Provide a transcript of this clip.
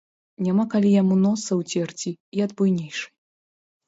Няма калі яму носа ўцерці і ад буйнейшай.